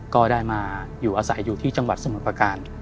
ก็ได้มาอยู่อาศัยอยู่ที่จังหวัดสมุทรประการ